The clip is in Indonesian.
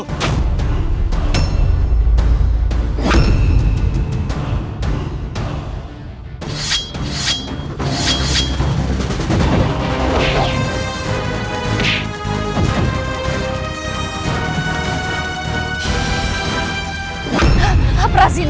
terpaksa kami akan menghabisi kamu